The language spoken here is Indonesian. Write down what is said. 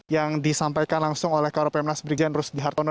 yang disampaikan langsung oleh karopemnas brigjen rusdi hartono